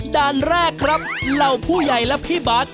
ด้านแรกครับเหล่าผู้ใหญ่และพี่บาท